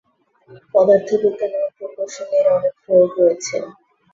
পদার্থবিজ্ঞান এবং প্রকৌশলে এর অনেক প্রয়োগ রয়েছে।